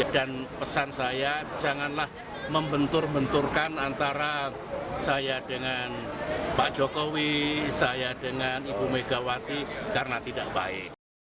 dan pesan saya janganlah membentur benturkan antara saya dengan pak jokowi saya dengan ibu megawati karena tidak baik